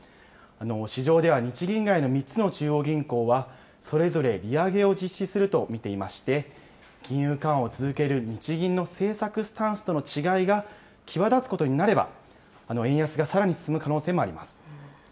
市場では日銀以外の３つの中央銀行はそれぞれ利上げを実施すると見ていまして、金融緩和を続ける日銀の政策スタンスとの違いが際立つことになれば、円安がさらに進む可能性もあります。